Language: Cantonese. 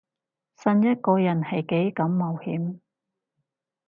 信一個人係幾咁冒險